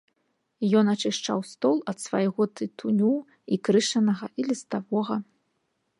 Ён ачышчаў стол ад свайго тытуню, і крышанага, і ліставога.